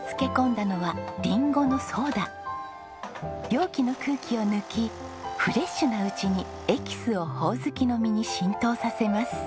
容器の空気を抜きフレッシュなうちにエキスをホオズキの実に浸透させます。